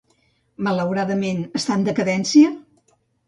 Malauradament, està en decadència?